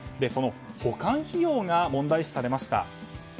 その保管費用が問題視されました。